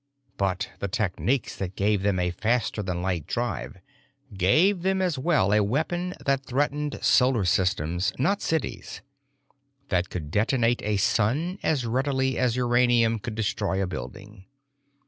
But the techniques that gave them a faster than light drive gave them as well a weapon that threatened solar systems, not cities; that could detonate a sun as readily as uranium could destroy a building.